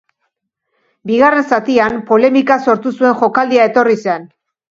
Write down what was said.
Bigarren zatian polemika sortu zuen jokaldia etorri zen.